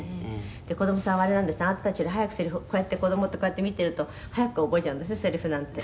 「子どもさんはあれなんですって。あなたたちより早くせりふをこうやって子どもってこうやって見てると早く覚えちゃうんですねせりふなんて」